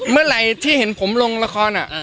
เมื่อไหร่ที่เห็นผมลงราคอน่ะ